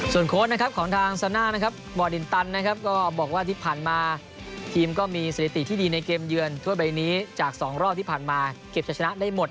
โค้ชนะครับของทางซาน่านะครับบ่อดินตันนะครับก็บอกว่าที่ผ่านมาทีมก็มีสถิติที่ดีในเกมเยือนถ้วยใบนี้จาก๒รอบที่ผ่านมาเก็บจะชนะได้หมด